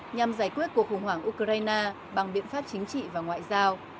nhằm giải quyết cuộc khủng hoảng ukraine bằng biện pháp chính trị và ngoại giao